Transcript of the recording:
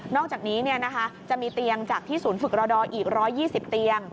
อกจากนี้จะมีเตียงจากที่ศูนย์ฝึกระดออีก๑๒๐เตียง